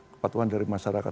kepatuhan dari masyarakat